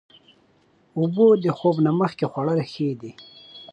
اوبه د خوب نه مخکې خوړل ښې دي.